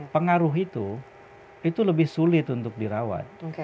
pengaruh itu itu lebih sulit untuk dirawat